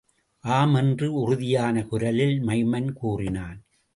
ஆம் என்று உறுதியான குரலில் மைமன் கூறினான்.